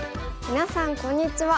みなさんこんにちは。